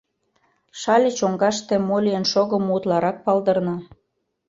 Шале чоҥгаште мо лийын шогымо утларак палдырна.